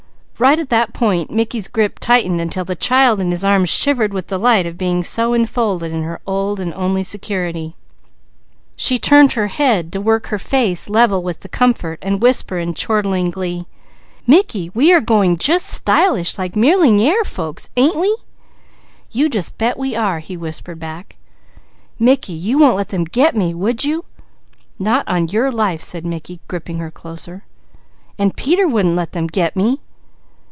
Right at that point Mickey's grip tightened until the child in his arms shivered with delight of being so enfolded in her old and only security. She turned her head to work her face level with the comfort and whisper in glee: "Mickey, we are going just stylish like millyingaire folks, ain't we?" "You just bet we are!" he whispered back. "Mickey, you wouldn't let them 'get' me, would you?" "Not on your life!" said Mickey, gripping her closer. "And Peter wouldn't let them 'get' me?"